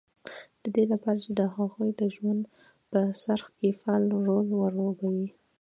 د دې لپاره چې د هغوی د ژوند په څرخ کې فعال رول ولوبوي